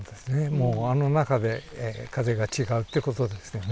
もうあの中で風が違うっていうことですよね。